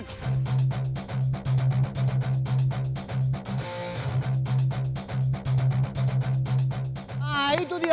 nah itu dia